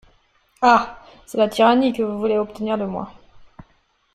Ah ! c'est la tyrannie que vous voulez obtenir de moi.